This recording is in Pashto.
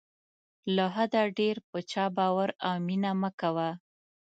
له حده ډېر په چا باور او مینه مه کوه.